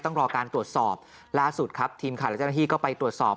ต้องรอการตรวจสอบล่าสุดครับทีมข่าวและเจ้าหน้าที่ก็ไปตรวจสอบ